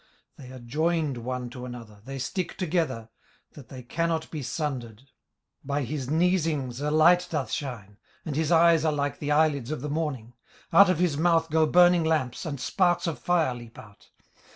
18:041:017 They are joined one to another, they stick together, that they cannot be sundered. 18:041:018 By his neesings a light doth shine, and his eyes are like the eyelids of the morning. 18:041:019 Out of his mouth go burning lamps, and sparks of fire leap out.